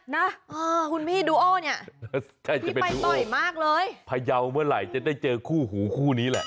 นะคุณพี่ดูโอเนี่ยไปบ่อยมากเลยพยาวเมื่อไหร่จะได้เจอคู่หูคู่นี้แหละ